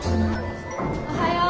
おはよう。